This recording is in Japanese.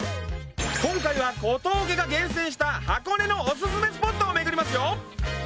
今回は小峠が厳選した箱根のオススメスポットをめぐりますよ